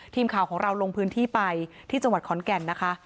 ทีมข่าวของเราลงพื้นที่ไปที่จังหวัดขอนแก่นนะคะ